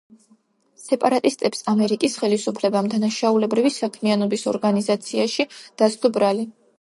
სეპარატისტებს ამერიკის ხელისუფლებამ დანაშაულებრივი საქმიანობის ორგანიზაციაში დასდო ბრალი.